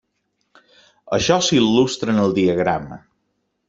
Això s'il·lustra en el diagrama.